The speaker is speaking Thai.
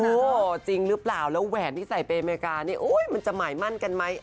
จริงหรือเปล่าแล้วแหวนที่ใส่ไปอเมริกานี่โอ๊ยมันจะหมายมั่นกันไหม